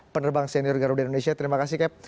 penerbang senior garuda indonesia terima kasih cap